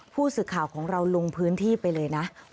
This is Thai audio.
ผู้สื่อข่าวของเราลงพื้นที่ไปเลยนะ